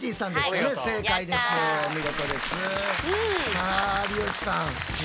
さあ有吉さん